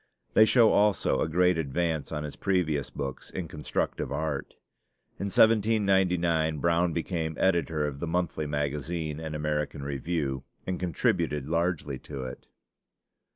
They show also a great advance on his previous books in constructive art. In 1799 Brown became editor of the Monthly Magazine and American Review, and contributed largely to it.